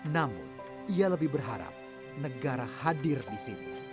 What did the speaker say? namun ia lebih berharap negara hadir di sini